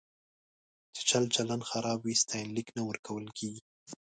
چې چلچلن خراب وي، ستاینلیک نه ورکول کېږي.